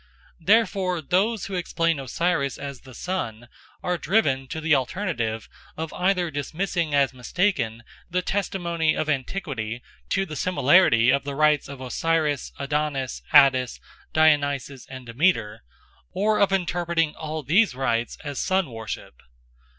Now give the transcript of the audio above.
Therefore, those who explain Osiris as the sun are driven to the alternative of either dismissing as mistaken the testimony of antiquity to the similarity of the rites of Osiris, Adonis, Attis, Dionysus, and Demeter, or of interpreting all these rites as sun worship.